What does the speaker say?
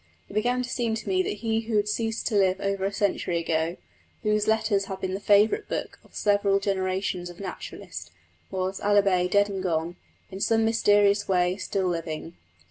It began to seem to me that he who had ceased to five over a century ago, whose Letters had been the favourite book of several generations of naturalists, was, albeit dead and gone, in some mysterious way still living.